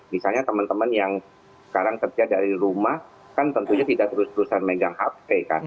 misalnya teman teman yang sekarang kerja dari rumah kan tentunya tidak terus terusan megang hp kan